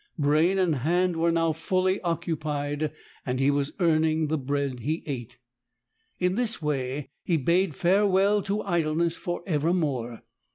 Brain and hand were now fully occupied, and he was earning the bread he ate. In this way he bade farewell to idleness for evermore.